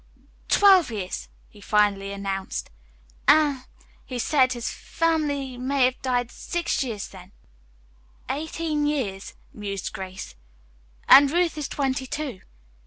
"Twelve years," he finally announced, "an' say his family have died six years then." "Eighteen years," mused Grace, "and Ruth is twenty two.